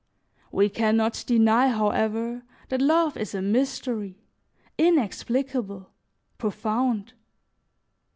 We can not deny, however, that love is a mystery, inexplicable, profound.